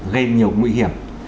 gây nhiều nguy hiểm